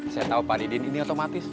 saya tahu pak didin ini otomatis